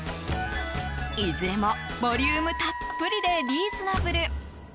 いずれもボリュームたっぷりでリーズナブル。